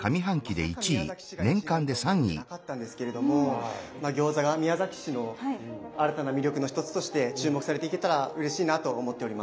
まさか宮崎市が１位になるとは思ってなかったんですけれども餃子が宮崎市の新たな魅力の一つとして注目されていけたらうれしいなと思っております。